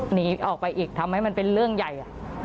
หนีออกไปอีกทำให้มันเป็นเรื่องใหญ่